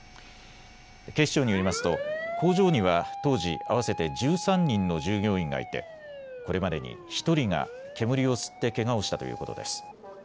警視庁によりますと工場には当時、合わせて１３人の従業員がいてこれまでに１人が煙を吸ってけがをしたということです。